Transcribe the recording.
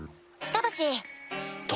ただし？